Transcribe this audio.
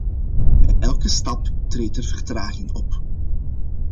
Bij elke stap treedt er vertraging op.